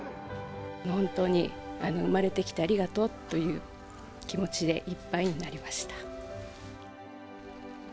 本当に生まれてきてありがとうっていう気持ちでいっぱいになりました。